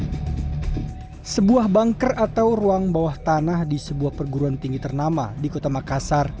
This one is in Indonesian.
hai sebuah bunker atau ruang bawah tanah di sebuah perguruan tinggi ternama di kota makassar